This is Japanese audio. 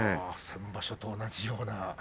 先場所と同じような。